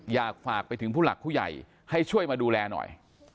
อยากฝากไปถึงผู้หลักผู้ใหญ่ให้ช่วยมาดูแลหน่อย